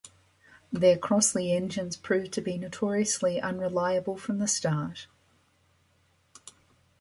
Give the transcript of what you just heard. Their Crossley engines proved to be notoriously unreliable from the start.